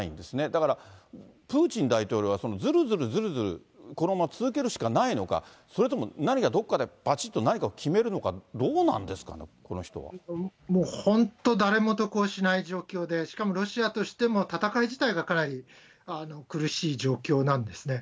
だから、プーチン大統領はその、ずるずるずるずる、このまま続けるしかないのか、それとも何かどっかでばちっと何かを決めるのか、どうなんですかもう本当、誰も得をしない状況で、しかもロシアとしても戦い自体がかなり苦しい状況なんですね。